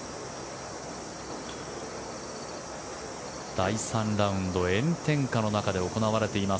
第３ラウンド炎天下の中で行われています。